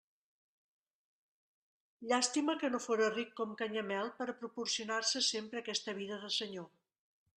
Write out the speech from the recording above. Llàstima que no fóra ric com Canyamel, per a proporcionar-se sempre aquesta vida de senyor!